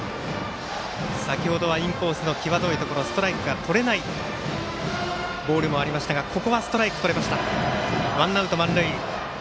先ほどはインコースの際どいところストライクがとれないボールもありましたがここはストライクとれました。